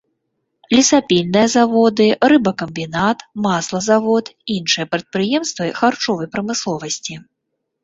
Лесапільныя заводы, рыбакамбінат, маслазавод, іншыя прадпрыемствы харчовай прамысловасці.